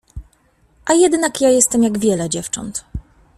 A jednak ja jestem jak wiele dziewcząt.